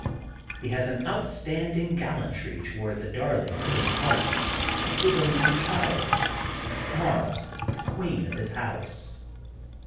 He has an outstanding gallantry toward the dar ling of his heart, his only child, Mara, the queen of his house.